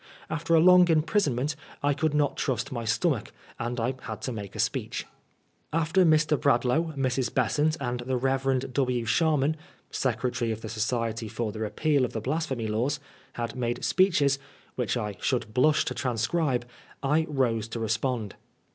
After a long imprisonment I could not trust my stomachy and I had to make a speech. After Mr. Bradlaugh, Mrs. Besant and the Rev^ W. Sharman (secretary of the Society for the Repeal of the Blasphemy Laws), had made speeohes, which I should blush to transcribe, I rose to respond.